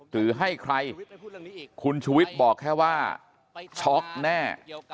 หรือให้ใครคุณชุวิตบอกแค่ว่าช็อกแน่